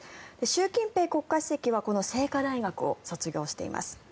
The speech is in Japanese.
習近平国家主席はこの清華大学を卒業しています。